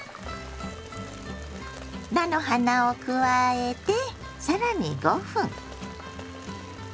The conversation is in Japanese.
菜の花を加えて更に５分。